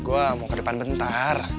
gue mau ke depan bentar